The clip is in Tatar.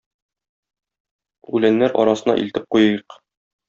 Үләннәр арасына илтеп куйыйк.